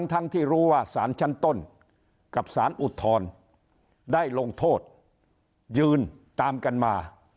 ทั้งที่รู้ว่าสารชั้นต้นกับสารอุทธรณ์ได้ลงโทษยืนตามกันมา